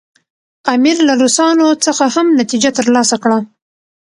امیر له روسانو څخه هم نتیجه ترلاسه کړه.